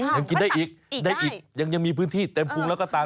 ยังกินได้อีกได้อีกยังมีพื้นที่เต็มพุงแล้วก็ตาม